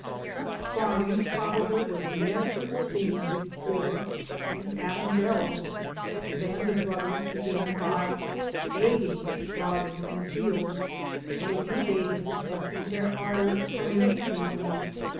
Such farming probably was never seen before since Adam delved. The band of brothers began by spading garden and field ; but a few days of it lessened their ardor amazingly.